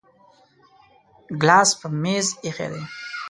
ګلاس په میز ایښی دی